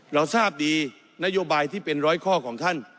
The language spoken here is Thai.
เราทราบดีนโยบายที่เป็นร้อยข้อของท่าน